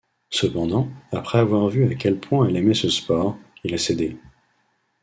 Cependant, après avoir vu à quel point elle aimait ce sport, il a cédé.